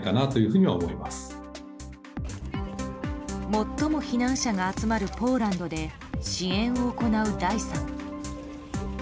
最も避難者が集まるポーランドで支援を行う大さん。